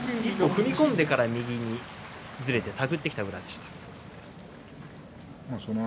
踏み込んでから右にずれて手繰っていったんですね。